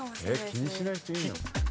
気にしない人いるの？